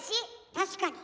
確かに。